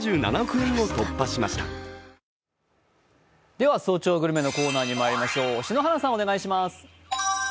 では「早朝グルメ」のコーナーにまいりましょう、篠原さん。